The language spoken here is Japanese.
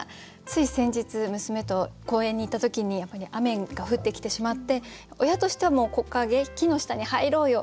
つい先日娘と公園に行った時にやっぱり雨が降ってきてしまって親としてはもう木陰木の下に入ろうよ。